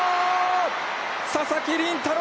佐々木麟太郎。